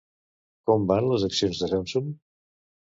Com van les accions de Samsung?